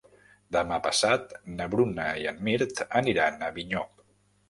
Demà passat na Bruna i en Mirt aniran a Avinyó.